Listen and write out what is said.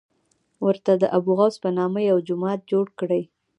ورته د ابوغوث په نامه یو جومات جوړ کړی.